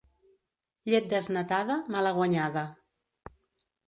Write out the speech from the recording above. Llet desnatada, malaguanyada.